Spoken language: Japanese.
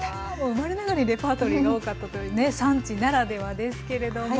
生まれながらにレパートリーが多かったというね産地ならではですけれども。